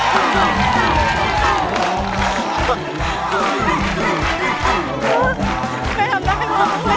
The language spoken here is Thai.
ไม่ทำได้ไม่ทำได้